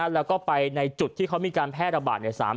แล้วก็ไปในจุดที่เขามีการแพร่ระบาด